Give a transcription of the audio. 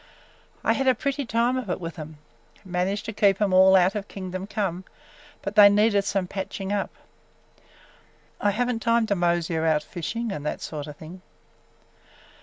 I had a pretty time of it with 'em! Managed to keep 'em all out of kingdom come, but they needed some patching up! I have n't time to mosey around fishing – and that sort of thing!"